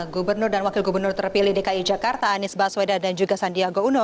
gubernur dan wakil gubernur terpilih dki jakarta anies baswedan dan juga sandiaga uno